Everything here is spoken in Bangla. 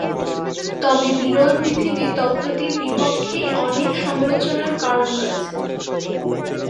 তবে বিরল পৃথিবী তত্ত্বটির বিপক্ষেই অনেক সমালোচনার কারণ রয়েছে।